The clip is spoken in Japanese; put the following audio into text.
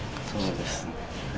そうですね。